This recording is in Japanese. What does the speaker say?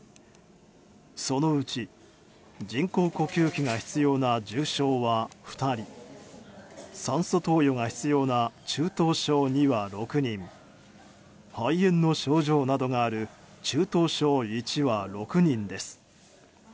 そのうち、人工呼吸器が必要な重症は２人酸素投与が必要な中等症２は６人肺炎の症状などがある中等症１は６人です。